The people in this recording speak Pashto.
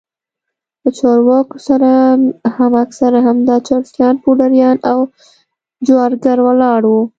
له چارواکو سره هم اکثره همدا چرسيان پوډريان او جوارگر ولاړ وو.